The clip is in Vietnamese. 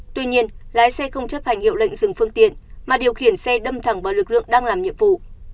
tuy nhiên lái xe không chấp hành hiệu lệnh dừng phương tiện mà điều khiển xe đâm thẳng vào lực lượng đang làm nhiệm vụ